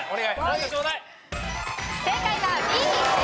正解はＢ鉄。